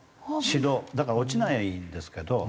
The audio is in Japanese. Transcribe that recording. だから落ちないんですけど。